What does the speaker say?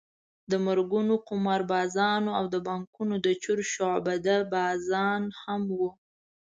د مرګونو قماربازان او د بانکونو د چور شعبده بازان هم وو.